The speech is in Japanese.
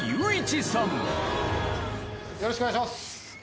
よろしくお願いします。